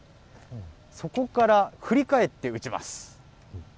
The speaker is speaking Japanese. そこから振り返って打ちます。